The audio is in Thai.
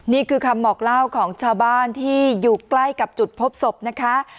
นี่คือคำบอกเล่าของชาวบ้านที่อยู่ใกล้กับจุดพบศพนะคะ